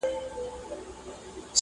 خپل وطن خپل یې څښتن سو خپل یې کور سو؛